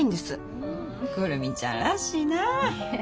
久留美ちゃんらしいな。